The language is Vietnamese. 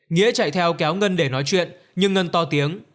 nghĩa chạy theo kéo ngân để nói chuyện nhưng ngân to tiếng